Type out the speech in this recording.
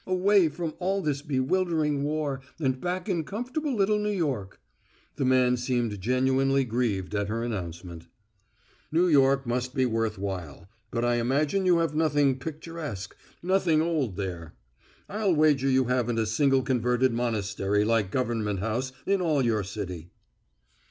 "Away from all this bewildering war and back in comfortable little New York." The man seemed genuinely grieved at her announcement. "New York must be worth while; but I imagine you have nothing picturesque nothing old there. I'll wager you haven't a single converted monastery like Government House in all your city."